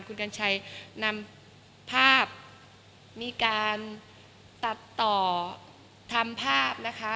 คุณกัญชัยนำภาพมีการตัดต่อทำภาพนะคะ